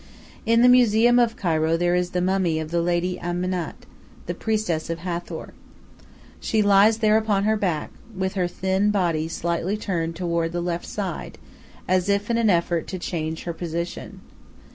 In the museum of Cairo there is the mummy of "the lady Amanit, priestess of Hathor." She lies there upon her back, with her thin body slightly turned toward the left side, as if in an effort to change her position.